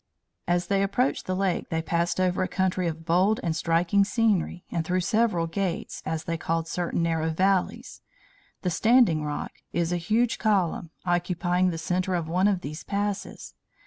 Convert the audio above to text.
"As they approached the lake, they passed over a country of bold and striking scenery, and through several 'gates,' as they called certain narrow valleys. The 'standing rock' is a huge column, occupying the centre of one of these passes.